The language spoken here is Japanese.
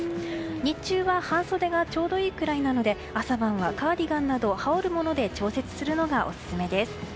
日中は半袖がちょうどいいくらいなので朝晩はカーディガンなど羽織るもので調整するのがオススメです。